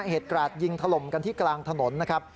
กราดยิงถล่มกันที่กลางถนนนะครับ